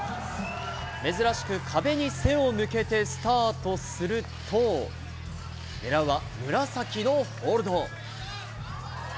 珍しく壁に背を向けてスタートすると、狙うは紫のホールド。